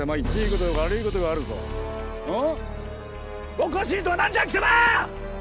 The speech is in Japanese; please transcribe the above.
おかしいとは何じゃ貴様！